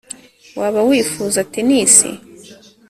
waba wifuza tennis